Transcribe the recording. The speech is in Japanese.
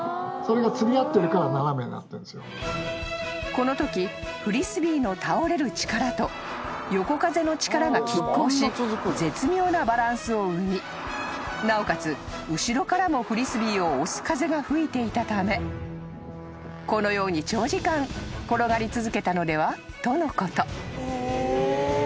［このときフリスビーの倒れる力と横風の力が拮抗し絶妙なバランスを生みなおかつ後ろからもフリスビーを押す風が吹いていたためこのように長時間転がり続けたのでは？とのこと］